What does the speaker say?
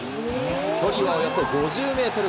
距離はおよそ５０メートル。